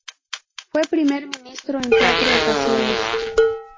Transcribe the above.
Fue primer ministro en cuatro ocasiones.